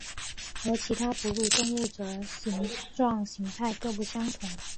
而其他哺乳动物则形状形态各不相同。